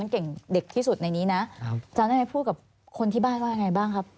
เก่งเด็กที่สุดในนี้นะอาจารย์ได้พูดกับคนที่บ้านว่ายังไงบ้างครับ